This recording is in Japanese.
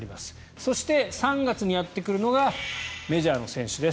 そして、３月にやってくるのがメジャーの選手です。